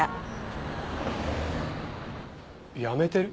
辞めてる！？